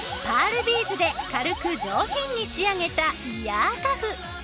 パールビーズで軽く上品に仕上げたイヤーカフ。